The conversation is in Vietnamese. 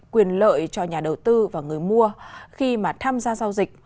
quyền lợi cho nhà đầu tư và người mua khi mà tham gia giao dịch